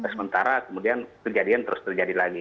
sementara kemudian kejadian terus terjadi lagi